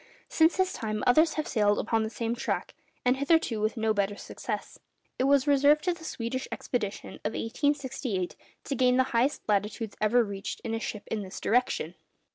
Since his time, others have sailed upon the same track, and hitherto with no better success. It was reserved to the Swedish expedition of 1868 to gain the highest latitudes ever reached in a ship in this direction.